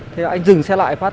thì anh dừng xe lại phát